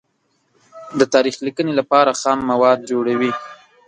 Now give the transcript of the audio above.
د تاریخ لیکنې لپاره خام مواد جوړوي.